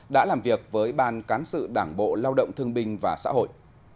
đã làm việc với ban cán sự đảng bộ lao động thương binh và xã hội